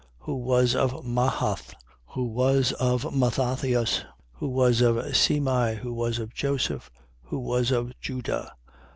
Who was of Mahath, who was of Mathathias, who was of Semei, who was of Joseph, who was of Juda, 3:27.